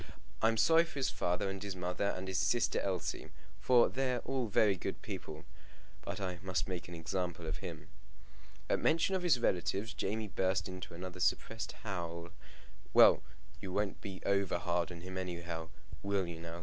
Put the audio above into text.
I'm sorry for his father and his mother, and his sister Elsie, for they're all very good people; but I must make an example of him." At mention of his relatives Jamie burst into another suppressed howl. "Well, you won't be over hard upon him anyhow: will you now?"